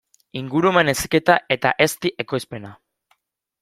Ingurumen heziketa eta ezti ekoizpena.